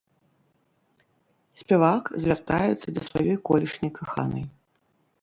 Спявак звяртаецца да сваёй колішняй каханай.